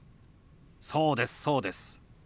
そうですそうです。